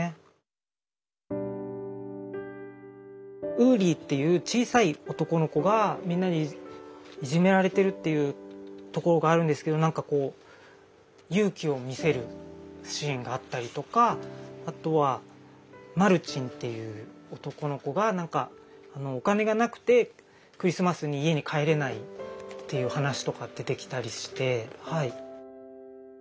ウリーっていう小さい男の子がみんなにいじめられてるっていうところがあるんですけどなんかこう勇気を見せるシーンがあったりとかあとはマルチンっていう男の子がお金がなくてクリスマスに家に帰れないっていう話とか出てきたりして。